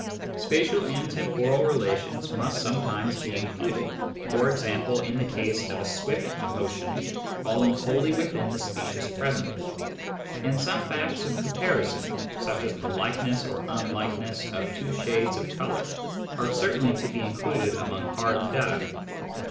Spatial and temporal relations must sometimes be included, for example in the case of a swift motion falling wholly within the specious present. And some facts of com parison, such as the likeness or unlikeness of two shades of colour, are certainly to be included among hard data.